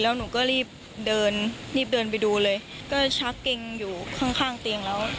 แล้วหนูก็รีบเดินรีบเดินไปดูเลยก็ชักเกงอยู่ข้างข้างเตียงแล้ว